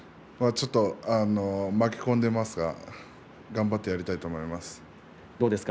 負け込んでいますが頑張ってやりたいと思います。